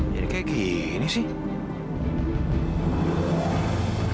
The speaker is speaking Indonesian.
jadi kayak gini sih